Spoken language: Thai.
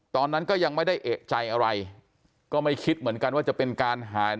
ตอนนั้นก็ยังไม่ได้เอกใจอะไรก็ไม่คิดเหมือนกันว่าจะเป็นการหาย